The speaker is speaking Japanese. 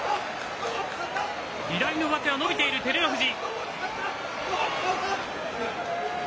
左の上手は伸びている照ノ富士。